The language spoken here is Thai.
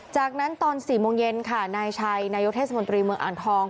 จากนั้นตอน๔โมงเย็นค่ะนายชัยนายกเทศมนตรีเมืองอ่างทอง